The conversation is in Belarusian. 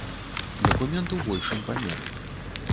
Дакумент у большым памеры.